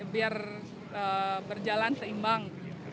biar berjalan seimbang